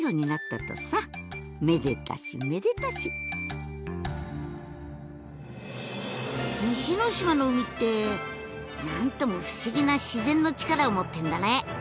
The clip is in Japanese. めでたしめでたし西ノ島の海って何とも不思議な自然の力を持ってるんだね！